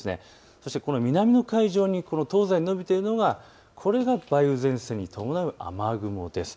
そして南の海上の東西に延びているのが梅雨前線に伴う雨雲です。